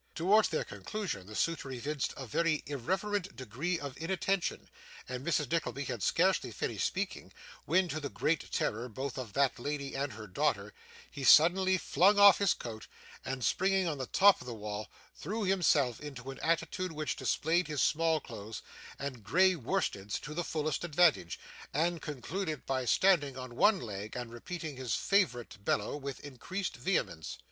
Towards their conclusion, the suitor evinced a very irreverent degree of inattention, and Mrs. Nickleby had scarcely finished speaking, when, to the great terror both of that lady and her daughter, he suddenly flung off his coat, and springing on the top of the wall, threw himself into an attitude which displayed his small clothes and grey worsteds to the fullest advantage, and concluded by standing on one leg, and repeating his favourite bellow with increased vehemence.